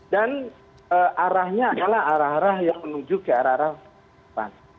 dan arahnya adalah arah arah yang menuju ke arah arah depan